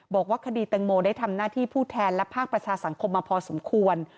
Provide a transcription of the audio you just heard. บอกว่าคดีแตงโมได้ทำหน้าที่ผู้แทนและภาคประชาสังคมมาพอสมควร